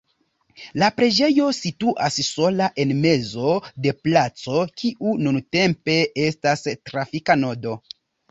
La preĝejo situas sola en mezo de placo, kiu nuntempe estas trafika nodo.